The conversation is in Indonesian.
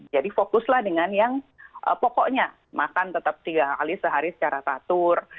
jadi fokuslah dengan yang pokoknya makan tetap tiga kali sehari secara tatur